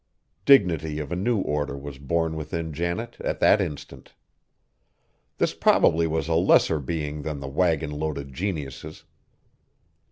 Dignity of a new order was born within Janet at that instant. This probably was a lesser being than the wagon loaded geniuses.